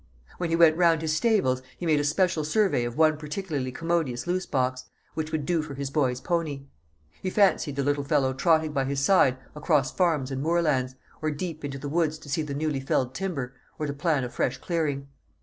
When he went round his stables, he made a special survey of one particularly commodious loose box, which would do for his boy's pony. He fancied the little fellow trotting by his side across farms and moorlands, or deep into the woods to see the newly felled timber, or to plan a fresh clearing.